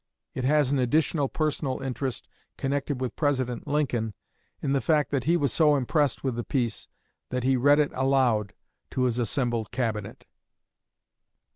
It has an additional personal interest connected with President Lincoln in the fact that he was so impressed with the piece that he read it aloud to his assembled Cabinet.